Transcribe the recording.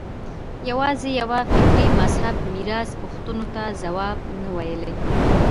یوازې یوه فکري مذهب میراث پوښتنو ته ځواب نه ویلای